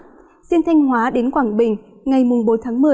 riêng thanh hóa đến quảng bình ngày bốn tháng một mươi